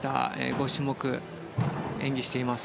５種目演技しています。